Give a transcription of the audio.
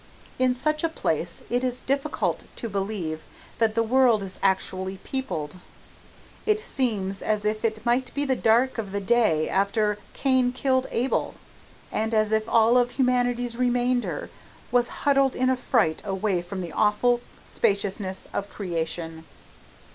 In such a place it is difficult to believe that the world is actually peopled. It seems as if it might be the dark of the day after Cain killed Abel, and as if all of humanity's remainder was huddled in affright away from the awful spaciousness of Creation.